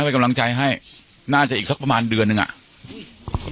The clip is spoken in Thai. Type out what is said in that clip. เป็นกำลังใจให้น่าจะอีกสักประมาณเดือนหนึ่งอ่ะอืม